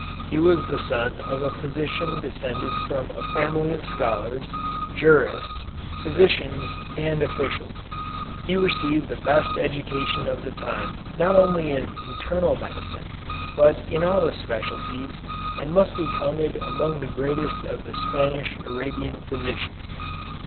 He was the son of a physician descended from a family of scholars, jurists, physicians, and officials. He received the best education of the time not only in internal medicine, but in all the specialties, and must be counted among the greatest of the Spanish Arabian physicians.